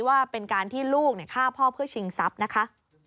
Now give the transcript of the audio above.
ว่าเป็นการที่ลูกฆ่าพ่อเพื่อชิงทรัพย์นะคะ